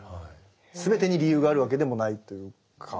すべてに理由があるわけでもないというか。